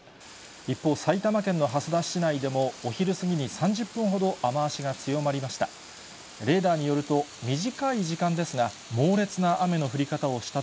一方、埼玉県の蓮田市内でもお昼過ぎに３０分ほど、雨足が強まりました。